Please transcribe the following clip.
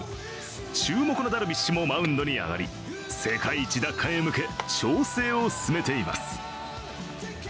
注目のダルビッシュもマウンドに上がり世界一奪還へ向け調整を進めています。